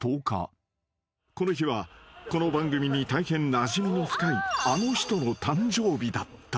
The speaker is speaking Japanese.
［この日はこの番組に大変なじみの深いあの人の誕生日だった］